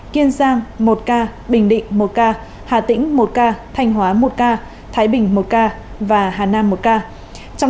kiên giang một ca bình định một ca hà tĩnh một ca thanh hóa một ca thái bình một ca và hà nam một ca